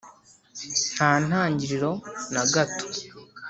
nta ntangiriro na gato.